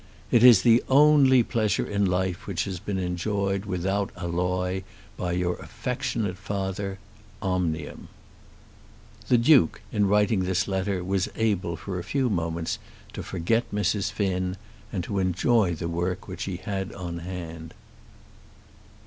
It is the only pleasure in life which has been enjoyed without alloy by your affectionate father, OMNIUM. The Duke in writing this letter was able for a few moments to forget Mrs. Finn, and to enjoy the work which he had on hand.